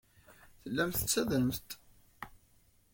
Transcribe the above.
Tellamt tettadremt-d.